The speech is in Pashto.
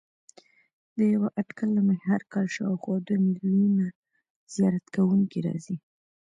د یوه اټکل له مخې هر کال شاوخوا دوه میلیونه زیارت کوونکي راځي.